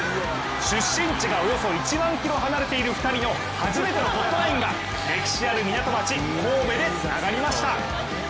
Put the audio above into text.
出身地がおよそ１万キロ離れている２人のホットラインが、歴史ある港町・神戸でつながりました。